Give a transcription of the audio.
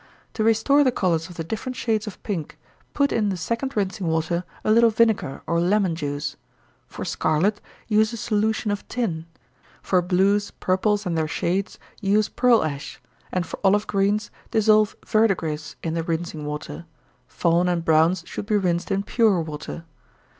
To restore the colors of the different shades of pink, put in the second rinsing water a little vinegar or lemon juice. For scarlet, use a solution of tin; for blues, purples, and their shades, use pearl ash; and for olive greens, dissolve verdigris in the rinsing water fawn and browns should be rinsed in pure water.